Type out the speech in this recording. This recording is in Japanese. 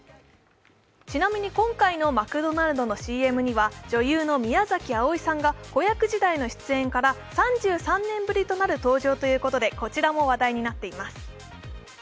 ちなみに今回のマクドナルドのＣＭには女優の宮崎あおいさんが子役時代の出演から３３年ぶりとなる登場ということで、こちらも話題になっています。